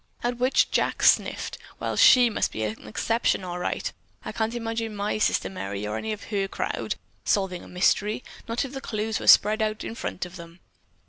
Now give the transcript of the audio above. At which Jack sniffed: 'Well, she must be an exception all right. I can't imagine my sister Merry or any of her crowd solving a mystery, not if the clues were spread out right in front of them.